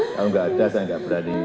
kalau enggak ada saya enggak berani